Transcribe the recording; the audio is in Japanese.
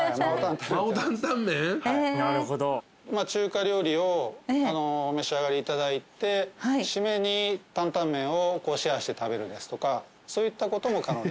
中華料理をお召し上がりいただいて締めに担々麺をシェアして食べるですとかそういったことも可能。